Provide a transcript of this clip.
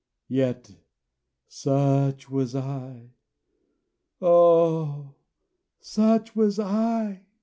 Yet such was I! Oh! such was I!"